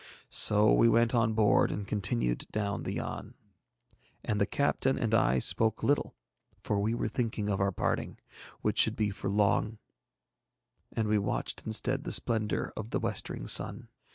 So we went on board and continued down the Yann. And the captain and I spoke little, for we were thinking of our parting, which should be for long, and we watched instead the splendour of the westering sun.